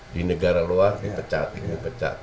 di negara luar ini pecat